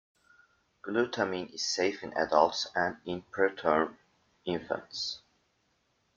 Glutamine is safe in adults and in preterm infants.